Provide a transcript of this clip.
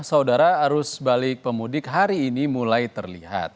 saudara arus balik pemudik hari ini mulai terlihat